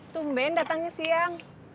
tumben datangnya siang